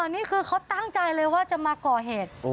นี่คือเขาตั้งใจเลยว่าจะมาก่อเหตุ